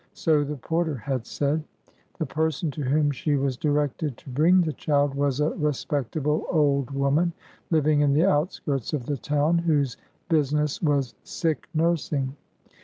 So the porter had said. The person to whom she was directed to bring the child was a respectable old woman, living in the outskirts of the town, whose business was sick nursing.